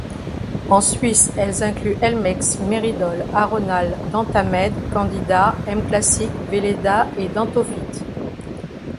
En Suisse elles incluent Elmex, Meridol, Aronal, Dentamed, Candida, M-Classic, Weleda et Dentofit.